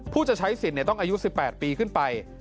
จะใช้สิทธิ์ต้องอายุ๑๘ปีขึ้นไป